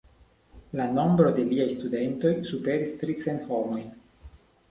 La nombro de liaj studentoj superis tricent homojn.